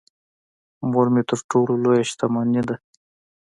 مور مې تر ټولو لويه شتمنی ده .